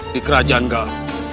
di kerajaan galuh